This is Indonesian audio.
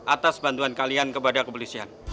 atas bantuan kalian kepada kepolisian